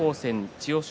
千代翔